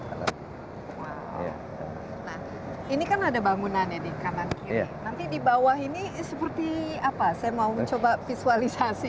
ini kan ada bangunan ya di kanan kiri nanti di bawah ini seperti apa saya mau mencoba visualisasi